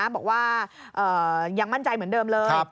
บอกว่ายังมั่นใจเหมือนเดิมเลย